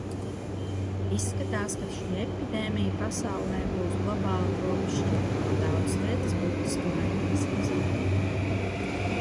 Izskatās, ka šī epidēmija pasaulē būs globāla robežšķirtne un daudzas lietas būtiski mainīsies.